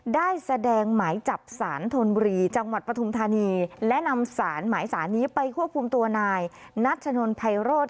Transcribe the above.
ได้แสดงหมายจับสารธนบุรีจังหวัดปฐุมธานีและนำสารหมายสารนี้ไปควบคุมตัวนายนัชนนภัยโรธ